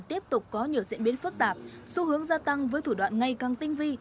tiếp tục có nhiều diễn biến phức tạp xu hướng gia tăng với thủ đoạn ngay càng tinh vi